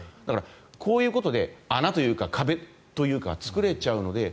こういうところで穴というか壁は作れちゃうので。